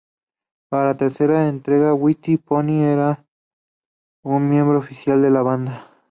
Para la tercera entrega, White Pony, ya era un miembro oficial de la banda.